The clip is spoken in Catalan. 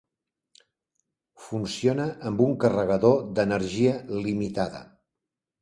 Funciona amb un carregador d'energia limitada.